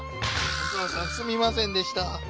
お母さんすみませんでした。